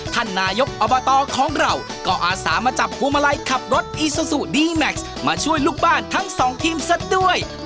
ท่านนายกอบตของเราก็อาสามาจับพวงมาลัยขับรถอีซูซูดีแม็กซ์มาช่วยลูกบ้านทั้งสองทีมซะด้วย